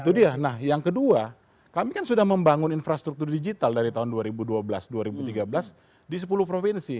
itu dia nah yang kedua kami kan sudah membangun infrastruktur digital dari tahun dua ribu dua belas dua ribu tiga belas di sepuluh provinsi